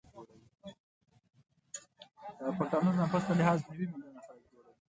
پښتانه د نفوس به لحاظ نوې میلیونه خلک جوړوي